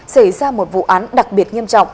xảy ra một vụ án đặc biệt nghiêm trọng